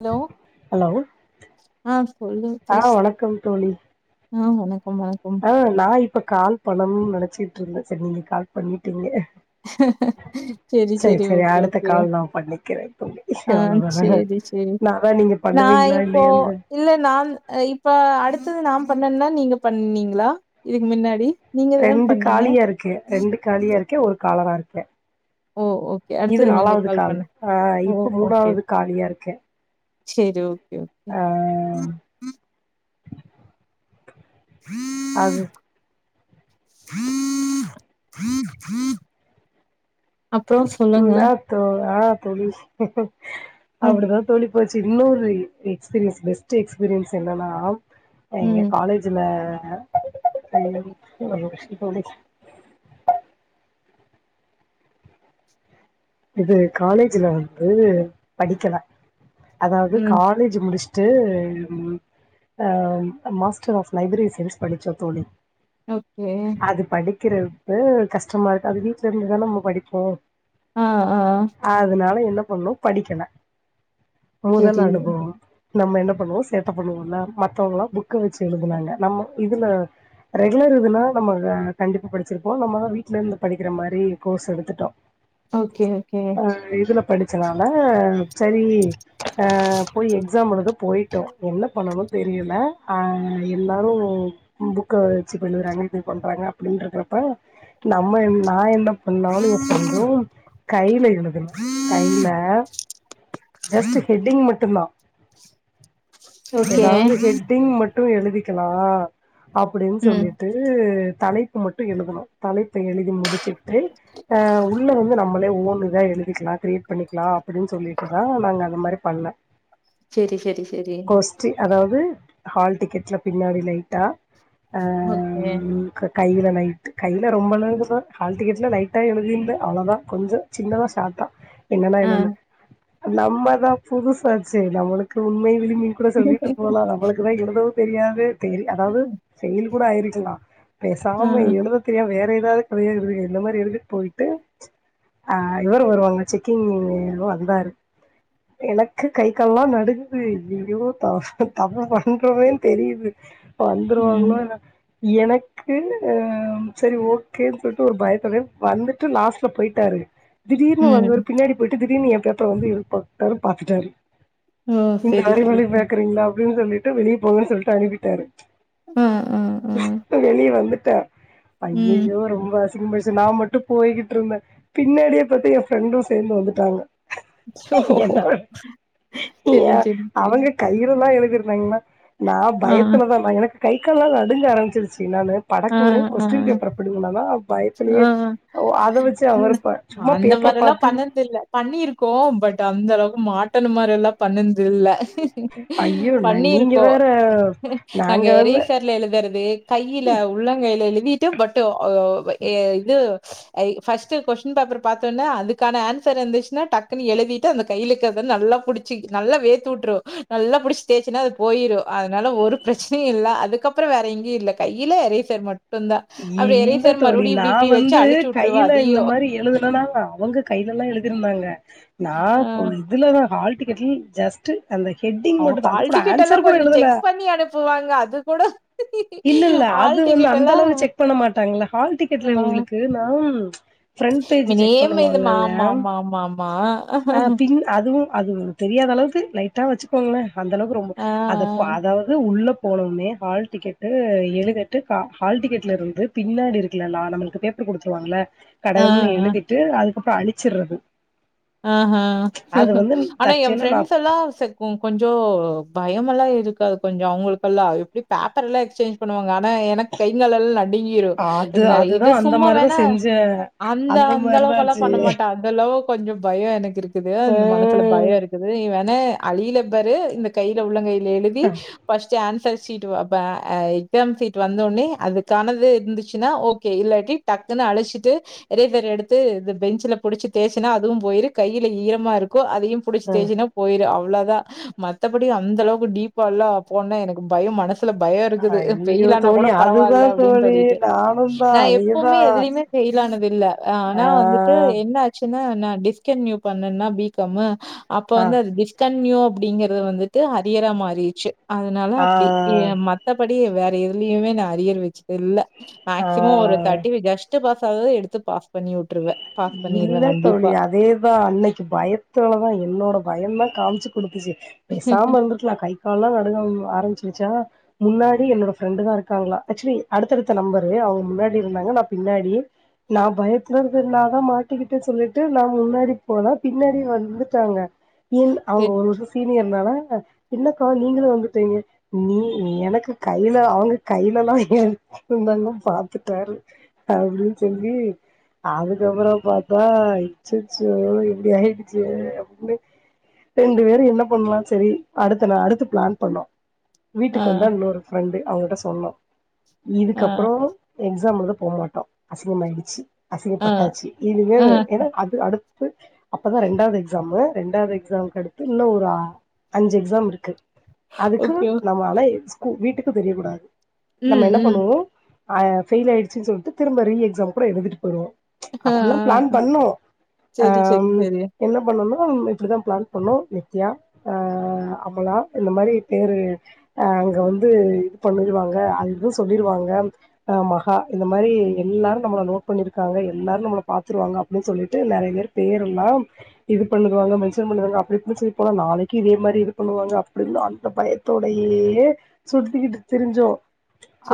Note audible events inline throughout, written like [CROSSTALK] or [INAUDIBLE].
Hello hello ஆ சொல்லு ஆ தேஷ் வணக்கம் தோழி ஆ வணக்கம் வணக்கம் ஆ நா இப்ப இப்ப கால் பணணம்ன்னு நெனச்சிட்டு இருந்தே சரி நீங்க கால் பண்ணிட்டீங்க செரி சரி செரி சரி ஓகே அடுத்த ஓகே கால் நான் பண்ணிக்கிறேன் தோழி ஆ அவ்ளோதான சேரி சேரி நான் அதான் நீங்க நா பண்ணுவீங்களா இப்போ இல்லையான்னு இல்ல நா இப்ப அடுத்தது நாம் பண்ணனா நீங்க பண்ணீங்ளா இதுக்கு முன்னாடி நீங்க தான் ரெண்டு பண்ணீங்க. காலியா இருக்கே ரெண்டு காலியா இருக்கே ஒரு காலரா இருக்கு ஓகே ஓ ஓகே இது அடுத்தது நீங்க நாலாவது கால் பண்ண ஆ ஓ இப்ப ஓகே மூனாவது காலியா இருக்கே சரி ஓகே ஓகே. அ ஃரீ [UNINTELLIGIBLE] அது ஃரீ ஃரீ ஃரீ [UNINTELLIGIBLE] அப்றோ சொல்லுங்க நா தோ ஆ தோழி ம் அப்டிதா தொழி ப்போச்சு இன்னொரு எக்ஸ்பீரியன்ஸ் பெஸ்ட் எக்ஸ்பீர்யன்ஸ் என்னன்னா எங்க ம் காலேஜ்ல [UNINTELLIGIBLE] இது காலேஜ்ல வந்து படிக்கல அதாவது ம் காலேஜ் முடிச் ட்டுஆ மாஸ்டர் ஆஃப் லைப்ரரி சைன்ஸ் படிச்சோ தோழி ஓகே கிறதுக்கு கஷ்டமா இருக்கு அது வீட்டுல இருந்துதா நம்ம படிப்போ ஆ ஆ ஆ அதனால என்ன பண்ணோ படிக்கல முதல் சரி அனுபவோ நம்ம என்ன‌ பண்ணுவோ சேட்ட பண்ணுவோன்ல மத்தவங்ளா புக்க வச்சு எழுதுனாங்க நம்ம இதுல ரெகுலர் இதுனா நம்மோ கண்டிப்பா படிச்சிருபோ நம்ம வீட்லருந்து படிக்கிற மாரி கோர்ஸ் எடுத்துட்டோ ஓகே ஓகே படிச்சனால சரி ஆ போய் எக்ஸாம் எழுத போய்டோ என்ன பண்ணணு தெரியல ஆ இருந்தாலு புக்க வச்சு கொஞ்ச [UNINTELLIGIBLE] பன்ராங்கனாப்ப நம்ம என்ன நா என்ன இ நானு எ ஃப்ரெண்டு கைலயி [UNINTELLIGIBLE] கைல ஜஸ்டு ஹெட்டிங் மட்டுந் தா ஓகே எதாவுது ஹெட்டிங் மட் டு எழுதிக்கலா அப்டின் ம் சொல்லிட்டு தலைப்பு மட்டு எழுதணு தலைப்ப எழுதி முடிச்சுட்டு ஆ உள்ள வந்து நா நம்மளே ஓண் இதா எழுதி கிளா கிரியேட் பண்ணிக்குலா அப்டின் சொல்லிட்டுதா நாங்க அந்த மாரி பண்ல செரி செரி செரி கொஸ்டி அதாவது ஹால் டிக்கெட்ல பின்னாடி லைட்டா ஆ ஓகே ன்க் கைல நைட்டு கைல ரொம்பலா இல்ல தா ஹால் டிக்கெட்ல லைட்டா எழுதிருந்தே அவ்ளோதா கொஞ்சோ சின்னதா ஷாட்டா என்னன்னா ஆ என்னனு நம்மதா‌ புதுசா செரி நம்மளுக்கு உண்மையில் விரும்மின் கூட சொல்லிட்டு போலா நமளுக்குதா எழுதவு தெரியாது சேரி அதாவது செயல் கூட ஆயிரி த்துலா ஆ பேசாம எழுத தெரியா வேற எத் தது கதையா எழுதுங்க இந்த மாரி எழுதுட்டு போயிட்டு அ இவரு‌ வருவாங்க செக்கிங் வந்தாரு எனக்கு கை கால்லாம் நடுங்குது ஐயையோ தப் தப்பா பண்றோமேன் தெரியிது இப்போ ம் வந்துருவாங்ளோங்க எனக்கு ம் சேரி ஓக்கேன் சொல்ட்டு ஒரு பயத்தோடயே வந்துட்டு லாஸ்ட்ல போயிட் டாரு திடீர்னு ம் வந்தவரு பின்னாடி போயிட்டு திட் டீர்னு எம் பேப்ப வந்து இரு பத்தாரு பாத்துட்டாரு ஓ இந்த செரி செரி அறிவாளி செரி பேக்குறீங்களா அப்டின் சொல்லிட்டு வெளிய போங்க சொல்ட்டு அனுப்பிட்டாரு ஆ ஆ ஆ அ நீ வந்து த ம் ஐயையோ ரொம்பஸ் [UNINTELLIGIBLE] நா மட்டு போயிட்ருந்த பின்னாடியே பாத்து எம் ஃப்ரெண்டு சேந்து வந்துட்டாங்க ஓ என்ன வன் ஏ செரி செரி செரி அவங்க கையில எல்லா எழு இருந்தாங்களா நா ஆ பயத்துலதா நா எனக் கை கால்லா நடுங்க ஆரம்பிச்சுருச்சு பின்னான்னு ஆ படக்குன்னு ஆ கொஸ்டின் பேப்பர புடுங்குனாங்களா ஆ பயத்துலியே ஓ அத வெச்சு இல்ல. அவர் அந்த மாரில்லா பண்ணதில்ல பண்ணிருக்கோம் பட் அந்த அளவுக்கு மாட்டனு மார் தெல்லா பன்னெண் தில்ல ஐயோ நீங்க பண்ணிருக்கோ வேற நாங்க எறைசர்ல எழுதுறது கையில உள்ளங்கையில எழுதி டு பட்டு் ஆ ஏ இது அய் ஃபஸ்ட் கொஸ்டின் பேப்பர் பாத்தோன்னே அதுக்கான ஆன்சர் இருந்துச்சுன்னா டக்குன்னு எழுதிட்டு அந்த கையிலுக்கத நல்லா புடிச்சி நல்லா வேத்து விட்ரு நல்லா புடிச்சு தேய்சன்னா அது போயிரு அதனால ஒரு பிரச்சனயு இல்ல அதுக்கப்புறோ வேற எங்கேயு இல்ல கையில இறேஸர் மட் மட்டும் டுந்தா அப்ற இல்ல ஏறேஸர் தோழி நா வந்து கைல இந்த மாரி எழுதுனனா அவங்க கைலலா எழுதிருந்தாங்க நா அ போ இதுலதா ஹால் டிக்கட்டில் ஜஸ்ட் அந்த ஹெட்டிங் அவ மட்டுந்தா அது ஹால் கூட டிக்கெட் எல்லா ஆன்சர் கூட கொஞ்ச எழுதல செக் பண்ணி அனுப்புவாங்க அது கூட இல்ல இல்ல அது ஹால் வந்து டிக்கெட் அந்த எல்லா அளவுக்கு செக் பண்ண மாட்டாங்கள்ள ஹால் டிக்கெட்ல ஆ. உங்களுக்கு நா ஃபிரண்ட் பேஜ் செக் பண்ணுவாங்கங்க ஆ பின் அது துவு அது தெரியாத அளவுக்கு லைட்டா வச்சுக்கோங்களே அந்தளவுக்கு ரொம்ப ஆ, அத ஆ. அதாவது உள்ள போனவொனே ஹால் டிக்கெட் எழுதிட்டு ஹால் டிக்கெட் ட்லஇருந்து பின்னாடி இருக்குல்லலா நம்மளுக்கு பேப்பர் குடுத்துருவாங்கள ஆ, கடகடனு ஆ. எழுதிட்டு அந் போட்டு அழிச்சிர்ரது ஆ ஹா ஆனா எ தற்செயலா நா ஃப்ரெண்ஸ் எல்லா கொஞ்ச பயம் ல்லா இருக்காது கொஞ்சோ அவங்களுக்குல்லா எப்டி பேப்பர் எல்லா எக்ஸ்சேஞ்ச் பண்ணுவாங்க ஆ எனக் கைங் காலல்லா நடுங்கிரு அது இந்த அதுதா இது அந்த சும்மா மாரிதா வேணா செஞ்சே அந்த அந்த மாரிதா அளவுக்குல்லா ஆச்சு பண்ண மாட்ட அந்த அளவுக் கொஞ்சம் பயோ எனக்கு இருக் குது இந்த மனசுல ம் பயோ இருக்குது நீ வேண அழியில பெரு இந்த கையில உள்ளங்கை ல எழுதி பஷ் டே ஆன்ஸர் ஷீட் அ எக்ஸாம் ஷீட் வந்தோனே அதுகானது இருந்துச்சுன்னா ஓகே இல்லாட்டி டக்குன்னு அழிச்சிட்டு இரேசர் எடுத்து பெஞ்ச்ல புடிச்சு தேச்சனா துவு போயிரு கையில ஈரமா இருக்கு ப அதையு புடிச்சு ம் தேஜன்ன போய்ரு அவ்ளத் தா மத்தபடி அந்த அளவுக்கு டீப்பா எல்லா போன எனக்கு பயோ மனசு த்துல பயோ இருக்குது ஐயோ ஃபைல் ஆன தோழி கூட அதுதா பரவாயில்ல அப்டினு தோழி சொல்லிட்டு நானுந்தா நா அதேதா எப்பவுமே எதுலயுமே ஃபேல் ஆனாது இல்ல ஆ ஆனா வந்துட்டு என்ன ஆச்சுனா நா டிஸ்கன்ட்யூ பண்ணனா பி காமு அப்ப ஆ வந்து அது டிஸ்கண்ட்ன்யு அப்டிங்கறது வந்துட்டு அரியரா மாறிருச்சு அதனால ஆ அப்டி ஏ மத்தப டி வேற எதுலயுமே நா அரியர் வச்சது இல்ல மேக்சிமோ ஒரு ஆ தர்ட்டி ஜஸ்ட்டு பாஸ் ஆவது எடுத்து பாஸ் பண்ணி விட்ருவே இல்ல தோழி அதே அதா அன்னைக்கி பயத்துலதா என்னோட பயந்தா காமிச்சு குடுத்துச்சு பேசாம இருந்துருக்கலா கை கால் எல்லா நடுங்க ஆரம்பிச்சிருச்சா முன்னாடி என்னோட ஃப்ரெண்டுதா இருக்காங்களா ஆக்சுவலி அடுத்தடுத்த நம்பரு அவங்க முன்னாடி இருந்தாங்க நா பின்னாடி நா பயத்தில இருக்கறே நா நா மாட்டிக்கிட்டே சொல்லிட்டு நா முன்னாடி போனா பின்னாடி வந்துட்டாங்க இன் அவங்க சரி. ஒரு சீனியர் இருந்தாங்ளா என்னக்கா நீங்களு வந்துட்டீங்க நீ எனக்கு கைல அவங்க கைலல்லா எழுதி இருந்தாங்களா பாத்துட்டாரு அப்டினு சொல்லி அது க்கப்றோ பாத்தா அச்சச்சோ இப்டி ஆயிடுச்சே அப்டினு ரெண்டு பேரு என்ன பண்லா செரி அடுத்த நா அடுத்து பிளான் பண்ணோ ஆ, வீட்டுக்கு வந்தா இன்னொரு ஃப்ரெண்டு அவங்கள்ட்ட சொன்னோ ஆ, இதுக்கப்புறோ எக்ஸாம் எழுத போமாட்டோ அசிங்கமாயிடுச்சி அசிங்க ஆ, பட்டாச்சி இனிமே ஆ. என்ன அது அடு த்து அப்பதா ரெண்டாவது எக்ஸாமு ரெண்டாவது எக்ஸாமுக்கு அடுத்து இன்னு ஒரு ஆ அஞ்சு எக்ஸாம் இருக்கு அதுக்கு ஓகே, ஓகே. நம்மால ஸ்கூ வீட்டு க்கு தெரியக் கூடாது ம், நம்ம என்ன ம். பண்ணணு ஆ ஃபெயிலாயிடுச்சுன் சொல்ட்டு திரும்ப ரீ எக்ஸாம் கூட எழுதிட்டு போய்டுவோ ஆ, அப்பிட்ல்லா பிளான் ஆ. பண்ணோ ஆ சரி, சரி, ம் சரி. என்ன பண்ணுனோ அப்பம் இப்பிடிதா பிளான் பண்ணோ நித்யா ஆ அமலா இந்த மாரி பேரு ஆ அங்க வந்து இது பண்ணிருவாங்க அது இது சொல்லிருவாங்க ஆ மகா இந்த மாரி எல்லாரு நம்மள நோட் பண்ணிருக்காங்க எ எல்லாரு நம்மள பாத்துருவாங்க அப்டின்னு சொல்லிட்டு நெறைய பேர் பேர் எல்லா இது பண்ணிருவாங்க மென்ஷன் பண்ணிருவாங்க அப்படி இப்படின்னு சொல்லி போனா நாளைக்கி இதே மாரி இருக்கணு அங்க அப்டின்னு அந்த பயத்தோடயே சுத்திக்கிட்டு திரிஞ்சோ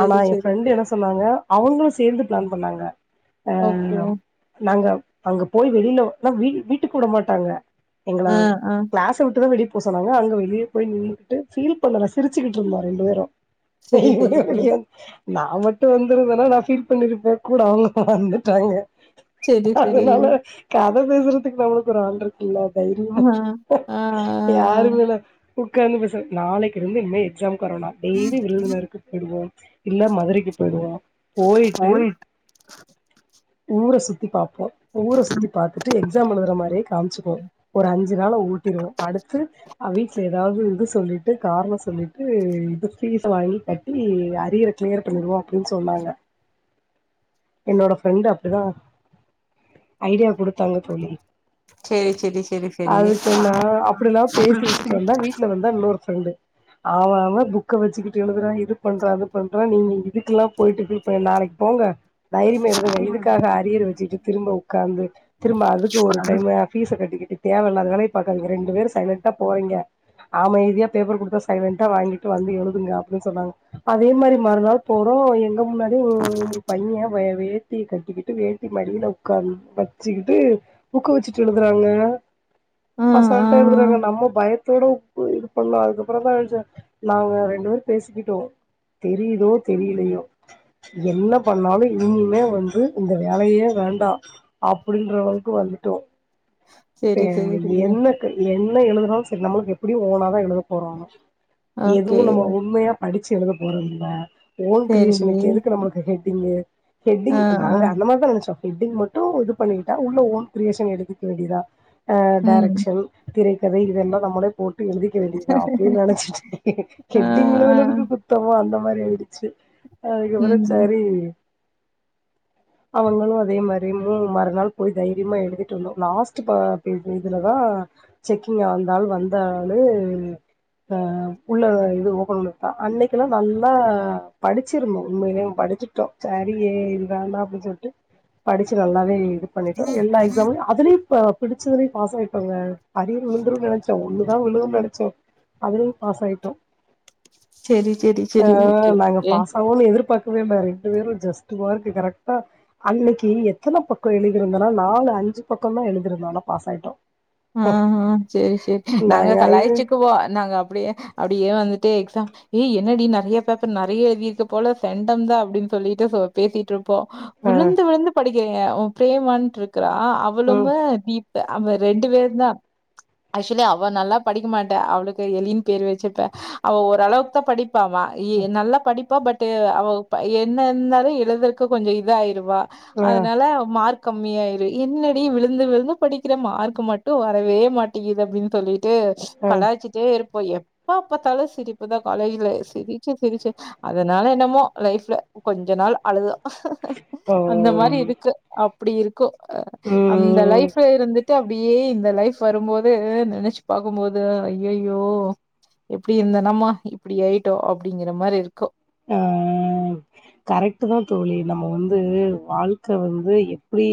ஆனா என் சரி. ஃப்ரெண்டு என்ன சொன்னாங்க அவங்களு சேந்து பிளான் பண்ணாங்க ஆ ஓகே. கம் நாங்க அங்க போய் வெளில ஏன்னா வீட் வீட்டுக்கு வுட மாட்டாங்க எங்கள ஆ, ஆ. கிளாஸ விட்டுதா வெடி சொன்னாங்க அங்க வெளிய போய் நின்னுட்டு ஃபீல் பண்ணல சிரிச்சுட்டு இருந்தமா ரெண்டு பேரு சரி, சரி, சரி. நீடிய நா மட்டு வந்துருந்தேனா நா ஃபீல் பண்ணிருப்பே கூட அவங்க வந்துட்டாங்க சரி, சரி. அதுனால காத் பேசுறதுக்கு நம்மளுக்கு ஒரு ஆள் இருக்குல்ல தைரியோ ஆ, ஆ, ஆ, யாருமேல்ல உக்காந்து பேச நாளைக்கு இருந்து இனிமே எக்ஸாம் கொரோனா டெய்லி விருதுனருக்கு பொய்டுவோ இல்ல மதுரைக்கு போயிடுவோ போயிட்டு போயட் ஊர சுத்தி பாப்போ ஊர சுத்தி பாத்துட்டு எக்ஸாம் எழுதுற மாரியே காமிச்சுக்குவோ ஒரு அஞ்சு நாள ஓட்டிருவோ அடுத்து ஆ வீட்ல ஏதாவது இது சொல்லிட்டு காரணோ சொல்லிட்டு இது ஃபீஸ வாங்கி கட்டி அரியிற கிளியர் பண்ணிருவோ அப்டின்னு சொன்னாங்க என்னோட ஃப்ரெண்ட டுதா ஐடியா குடுத்தாங்க தோலி சரி, சரி, சரி, சரி. அதுக்கு நா அப்டில்லா பேசி வச்சுட்டு வந்தா வீட்டுல வந்தா இன்னொரு ஃப்ரண்டு ஆவ அவ புக்க வச்சுக்கிட்டு எழுதுறா இது பண்றா இது பண்றா நீங்க இதுக்கெல்லா போயிட்டு [UNINTELLIGIBLE] பண்ண நாளைக்கு போங்க தைரியமா எழுதுங்க இதுக் க்காக அரியர் வச்சுட்டு திரும்ப உக்காந்து திரும்ப அதுக்கு ஒரு டைம ஃபீஸ கட்டிக்கிட்டு தேவயில்லாத வேலய பாக்காதீங்க ரெண்டு பேர் சைலண்டா போறீங்க அமைதியா பேப்பர் குடுத்தா சைலன்டா வாங்கிட்டு வந்து எழுதுங்க அப்டின்னு சொன்னாங்க அதே மாரி மறுநாள் போறோ கு முன்னாடி ஒரு பையே ஏத்திக்க கிட்டு வேட்டி மடில உக்காந்து வச்சிகிட்டு புக் வச்சிட்டு எழுதுறாங்க ஆ, ஆ, அசால்டா எழுதுறாங்க நம்ம பயத் போறோ இது பன்னோஅதுக்கப்றோதா அழுதே ஆங்க ரென்டு பேரு பேசிகிட்டோ தெரியுதோ தெரியலயோ என்ன பன்னாலு இனிமே வந்து இந்த வேலயே வேண்டா அப்டின்ற அளவுக்கு வந்துட்டோ ஏ சரி, சரி, சரி. என்னக் என்ன எழுதுனாலு சரி நம்மளுக்கு எப்படியு ஓனாதா எழுத போறோ எது ஓகே. நம்ம உண்மையா படிச்சு எழுத போறதுல்ல ஓன் சரி. கிரியேஷனுக்கு எதுக்கு நம்ளுக் ஹெட்டிங்கு ஆ, ஹெட்டிங் ஆ, நாங்க அந்த மாதிரிதான் நினைச்சோம் எட்டிங் மட்டும் இது பண்ணிட்டா உள்ள ஓன் கிரியேஷன் எடுத்துக்க வேண்டியதான் ம். டைரக்ஷன் வை இதெல்லாம் நம்ள போட்டு எழுதிக்க வேண்டியதான் அப்படினு நினைச்சு ஆ, ஆ, ஹெட்டிக்கு குத்தம் அந்த மாதிரி டிச்சு அதுக்கப்புறம் ம். சரி அவங்களும் அதே மாதிரி மறுநாள் போய் தைரியமா எழுதிட்டு வந்தோம் லாஸ்ட் இதுலதான் செக்கிங் ஆந்தாளு வந்த ஆளு அஹ் உள்ள இது ஓபன் பண்ண தான் அன்னைக்குல்லாம் நல்லா படிச்சிருந்தோம் உண்மைய படிச்சட்டோம் சரியே வேண்டாம் அப்படின்னு சொல்லிட்டு படிச்சு நல்லாவே பண்ணிட்டோம் எல்லா எக்ஸாமளும் அதுலயும் பிடிச்சதலையும் பாஸ் ஆயிட்டோங்க அரியர் விழுந்துரும் நினச்சோம் ஒன்னுதான் விழுதும் நினச்சோம் அதுலயும் பாஸ் ஆயிட்டோம் சரி, சரி, சரி. ஓகே, ஆஹ் நாங்க ஓகே. பாஸ் ஆவோம்னு எதிர்பார்தோம் வே ரெண்டு பேரும் ஜஸ்ட் வ கரெக்டா அன்னைக்கு எத்தனை பக்கம் எழுதிருந்தனா நாலு அஞ்சு பக்கம் தான் எழுதிருந்தனா பாஸ் ஆயிட்டோம் ஆமா செரி செரி நாங்க கலாய்ச்சுக்குவோம் அப்டியே அப்டியே எக்ஸாம் ஏ என்னடி நிறைய பேப்பர் நிறைய எழுதி இருக்கு போல செண்டம் தான் அப்படின்னு சொல்லிட்டு பேசிட்டு இருப்போம் விழுந்து விழுந்து படிக்க பிரேமானு இருக்கா இருக்கிற அவளும் ம் தீ அவ ரெண்டு பேர் தான் ஆக்சுவலி அவ நல்லா படிக்க மாட்ட அவளுக்கு எலின் பேர் வச்சுப்பேன் அவ ஓரளவுக்கு தான் படிப்ப ப்பாவா நல்லா படிப்பு மட்டும் அவ என்னனாலும் எழுதுறக்கு கொஞ்சம் இதாயிரு ஆ அதனால மார்க கம்மியாயிடும் என்னடி விழுந்து விழுந்து படிக்கிறேன் மார்க் மட்டும் வரவே மாட்டேங்க்குது அப்பின்னு சொல்லிட்டு ட்டு ஆ கலாயச்சுட்டு இரு இப்ப எப்பா பார்த்தாலும் சிரிப்புதான் காலேஜ்ல சிரிச்சு சிரிச்சு அதனால என்னமோ லைஃப்ல கொஞ்ச நாள் அழுது ஓ அந்த மாதிரி இருக்கு அப்டி இருக்கு அந்த ம் லைஃப்ல இருந்து த ஏ இந்த லைஃப் வரும்போது நெனச்சு பாக்கும்போது அய்யயோ எப்டி இருந்த நாமா இப்டி ஆயிட்டோ அப்டிங்கிற மாரி இருக்கு அ கரெக்ட்டு தா தோழி நம்ம வந்து வாழ்க்க வந்து எப்டி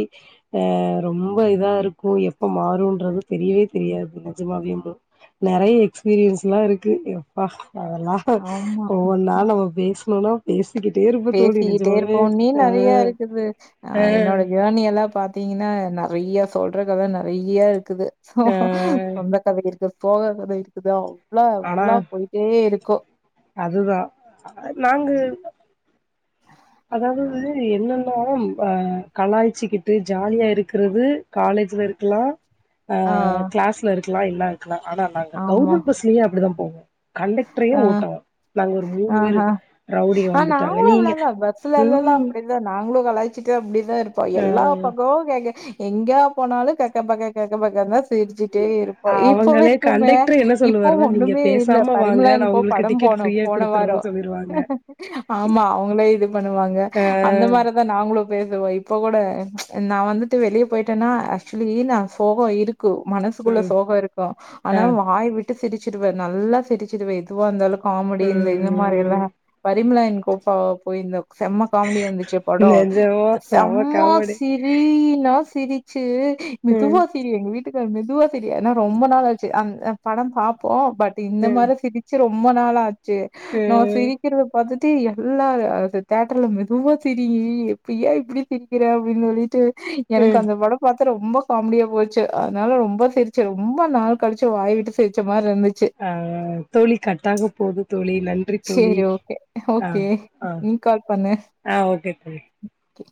அ ரொம்ப இதா இருக்கு எப்ப மாறுன்றது தெரியவே தெரியாது நெஜமாவேவு நெறய எக்ஸ்பீரியன்ஸ்ல்லா இருக்கு எப்பா அதெல்லா ஆமா ஒவ்வொன்னா நம்ம பேசுனோனா பேச பேசிக்கிட்டே இருப்போம்ன்னே நெறயா இருக்குது ஆ என்னோட ஜேர்னி எல்லா பா பாத்தீங்கன்னா நெறய்யா சொல்ற கத நெறய்யா இருக் இருக்கு ஆ சொந்த கத இருக்கு போகாத ரைட்டுதா ஃபுல்லா ஆனா ஃபுல்லா போயிட்டே இருக்கு கோ அதுதா நாங்க அதாவது என்னன்னா அ கலாய்ச்சிக்கிட்டு ஜாலியா இருக்குறது காலேஜ்ல இருக்கலா ஆ கிளாஸ்ல இருக்கு இருக்கலா எல்ல இருக்கலா ஆனா நாங்க ஆமா கவர்மெண்ட பஸ்லயே அப்டிதா போவோ கண்டக்ட்ரையே ஆ ஓட்டுவோ நாங்க ஒரு மூனு பேரு ஆஹா ரவுடிய வந்துட்டாங்க நீங்க சில இதெல்லா ம் அப்டிதா நா நாங்களு கலாய்ச்சிட்டே அப்டி ட்டே இருப்போ அ எல்லா பக்கமு கேங்க எங்கா போனாலு கெக்க பக்க கெக்க பக்க மாரி தெஞ்சுட்டே இருப்போ இப்ப அவங்களே வரைக்குமே கண்டக்டர் என்ன இப்போ சொல்லுவாருன்னா நீங்க ஒன்னுமே இல்ல பேசாம வாங்க பரிமலா நா அன் கோ உங்களுக்கு படம் டிக்கெட் போனோ ஃப்ரீயா போன வாரோ குடுத்துறேன்னு சொல்லிருவாங்க ஆமா அவுங்களே இது பண்ணுவாங்க ஆ அந்த மாதிரிதா நாங்களு பேசுவோ இப்ப கூட நா வந்துட்டு வெளியே போயிட்டேன்னா ஆக்சுவலி நா சோகோ இருக்கு மனசுக்குள்ள ம் சோகோ இருக்கு ஆ ஆனா வாய் வி சிருச்சுடுவே நல்ல சிருச்சுடுவே சிடுவே எதுவ இருந்தாலு காமெடி இந்த இது மாரில்லா ம் பரிமளா அன் [UNINTELLIGIBLE] செம்ம காமெடி இருந்துச்சு படோ நெஜமா செம செம்ம காமெடி சிரீனா சிரிச்சு ம் மேதுவா சிரி எங்க வீட்டுக் மெதுவா சிரி ஏன்னா ரொம்ப நாள் ஆச்சு அந்த படம் பாப்போ பட் இந்த ம் மாரி சிரிச்சு ரொம்ப நாள் ஆச் சி நா ம் சிரிக்கிறத பாத்து தி எல்லாரு அ தேட்டர்ல மெதுவா சிரி எப்ப ஏ இப்படி சிரிக்கிற அப்டின்னு சொல்லிட்டு எனக்கு ம் அந்த படம் பாத் த்த ரொம்ப காமெடியா போயடுச்சு அதனால ரொம்ப சிரிச்சு ரொம்ப நாள் கழிச்சு வாய்விட்டு சிரிச்ச மாரி இருந்துச்சு ஆ தோழி கட்டாக போகுது சேரி ஓகே ஓகே ஆ நீ கால் பண்ணு ஆ ஓகே தோழி கே